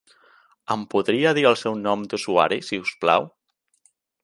Em podria dir el seu nom d'usuari si us plau?